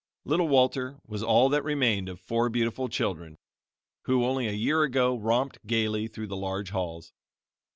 Little Walter was all that remained of four beautiful children, who, only a year ago, romped gaily through the large halls.